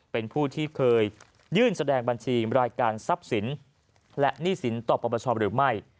เป็นผู้ที่เคยยื่นแสดงบัญชีรายการทรัพย์สินและหนี้สินต่อปรปชหรือไม่